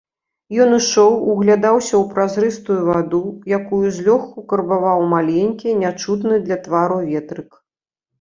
Ён ішоў, углядаўся ў празрыстую ваду, якую злёгку карбаваў маленькі, нячутны для твару ветрык.